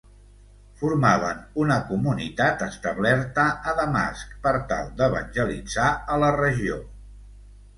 Formaven una comunitat establerta a Damasc per tal d'evangelitzar a la regió.